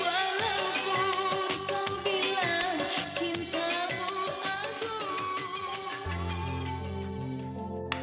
walaupun kau bilang cintamu agung